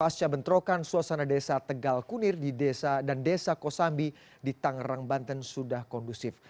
pasca bentrokan suasana desa tegal kunir di desa dan desa kosambi di tangerang banten sudah kondusif